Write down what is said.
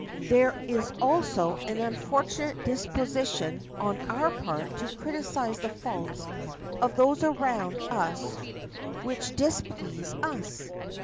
There is also an unfortunate disposition on our part to criticise the faults of those around us which displease us.